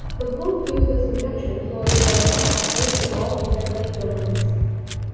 The proof uses induction so it does not apply to all integral domains.